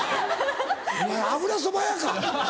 お前油そば屋か。